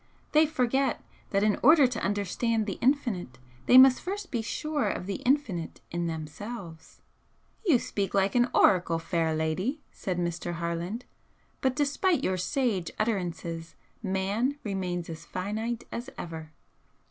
They forget that in order to understand the Infinite they must first be sure of the Infinite in themselves." "You speak like an oracle, fair lady!" said Mr. Harland "But despite your sage utterances Man remains as finite as ever."